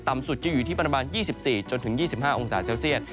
สุดจะอยู่ที่ประมาณ๒๔๒๕องศาเซลเซียต